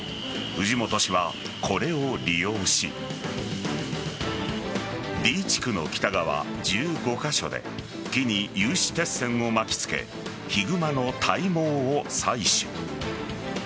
藤本氏はこれを利用しＤ地区の北側１５カ所で木に有刺鉄線を巻き付けヒグマの体毛を採取。